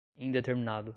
indeterminado